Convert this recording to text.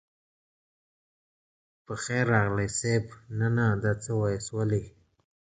په خير راغلئ صيب نه نه دا څه واياست ولې.